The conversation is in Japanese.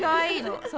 そう。